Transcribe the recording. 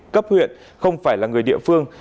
cấp huyện không phải là người địa phương